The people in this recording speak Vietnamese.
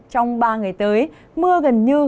trong ba ngày tới mưa gần như